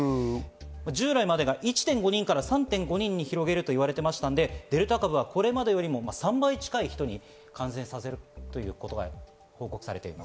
従来までが１．５人から３．５人に広げると言われてましたので、デルタ株はこれまでより３倍近い人に感染させるということが報告されています。